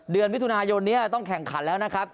เดือนมิถุนายนนี้ต้องแข่งขันแล้วนะครับ